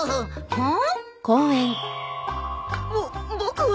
うん？